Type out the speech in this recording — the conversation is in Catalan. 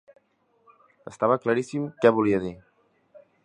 Estava claríssim què volia dir.